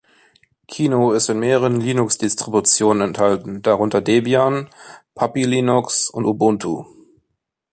Kino ist in mehreren Linux-Distributionen enthalten, darunter Debian, Puppy Linux und Ubuntu.